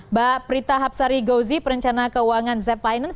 mbak prita hapsari gouzi perencana keuangan zep finance